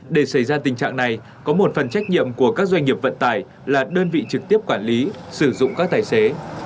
để xảy ra tình trạng này có một phần trách nhiệm của các doanh nghiệp vận tải là đơn vị trực tiếp quản lý sử dụng các tài xế